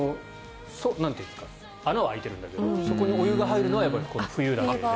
穴は開いてるんだけどそこにお湯が入るのは冬だけ。